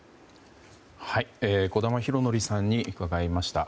児玉浩宜さんに伺いました。